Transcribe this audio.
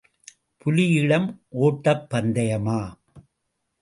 புலியிடம் ஓட்டப் பந்தயமா?